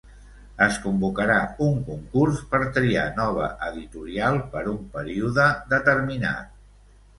Es convocarà un concurs per triar nova editorial per un període determinat.